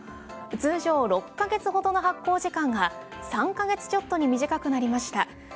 通常６か月ほどの発酵時間が３か月ちょっとに短くなりました。